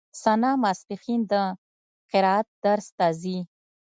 ثنا ماسپښين د قرائت درس ته ځي.